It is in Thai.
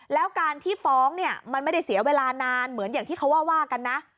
แล้วการที่ฟ้องเนี่ยมันไม่ได้เสียเวลานานเหมือนอย่างที่เขาว่ากันนะ